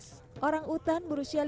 sampai di depan teknis terkenal